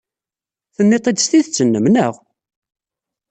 Tenniḍ-t-id s tidet-nnem, naɣ?